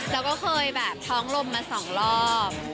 แล้วก็เคยแบบท้องลมมา๒รอบ